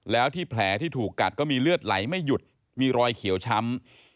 แล้วที่แผลที่ถูกกัดก็มีเลือดไหลไม่หยุดมีรอยเขียวช้ำ